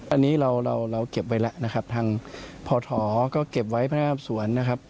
อันนี้เราเก็บไว้แล้วนะครับทางพธก็เก็บไว้พศนะครับ